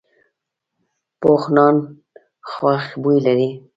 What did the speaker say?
پوخ نان خوږ بوی لري